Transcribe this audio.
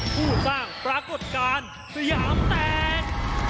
ผู้สร้างปรากฏการณ์สยามแตก